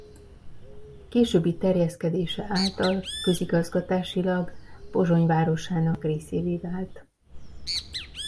Későbbi terjeszkedése által közigazgatásilag Pozsony városának részévé vált.